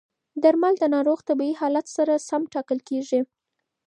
درمل د ناروغ طبي حالت سره سم ټاکل کېږي.